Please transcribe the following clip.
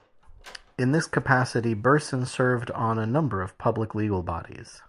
In this capacity, Burson served on a number of public legal bodies.